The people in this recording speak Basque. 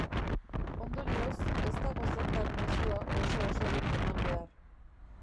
Ondorioz, ez dago zertan mezua oso-osorik eman behar.